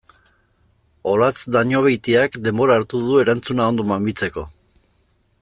Olatz Dañobeitiak denbora hartu du erantzuna ondo mamitzeko.